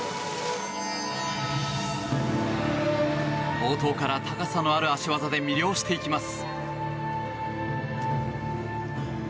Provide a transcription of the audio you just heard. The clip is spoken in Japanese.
冒頭から高さのある脚技で魅了していきます。